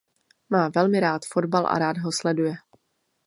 Má velmi rád fotbal a rád ho sleduje.